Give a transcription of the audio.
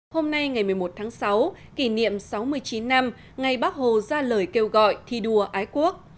hôm nay ngày một mươi một tháng sáu kỷ niệm sáu mươi chín năm ngày bác hồ ra lời kêu gọi thi đua ái quốc